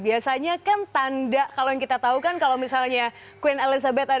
biasanya kan tanda kalau yang kita tahu kan kalau misalnya queen elizabeth